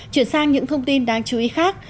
chuyển sang những thông tin đáng chú ý khác